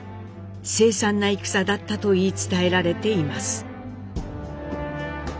凄惨な戦だったと言い伝えられています。